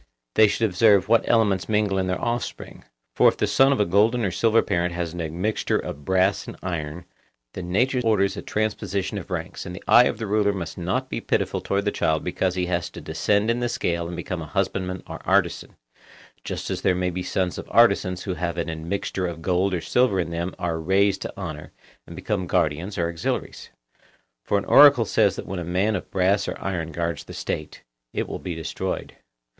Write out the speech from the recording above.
They should observe what elements mingle in their offspring; for if the son of a golden or silver parent has an admixture of brass and iron, then nature orders a transposition of ranks, and the eye of the ruler must not be pitiful towards the child because he has to descend in the scale and become a husbandman or artisan, just as there may be sons of artisans who having an admixture of gold or silver in them are raised to honour, and become guardians or auxiliaries. For an oracle says that when a man of brass or iron guards the State, it will be destroyed.